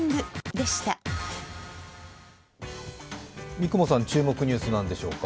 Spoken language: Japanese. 三雲さん、注目ニュース、何でしょうか？